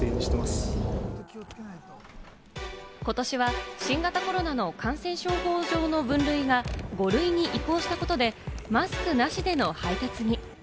ことしは新型コロナの感染症法上の分類が５類に移行したことで、マスクなしでの配達に。